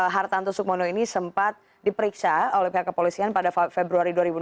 hartanto sukmono ini sempat diperiksa oleh pihak kepolisian pada februari dua ribu enam belas